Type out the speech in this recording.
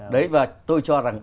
đấy và tôi cho rằng